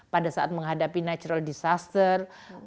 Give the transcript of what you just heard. pada saat menghadapi natural disaster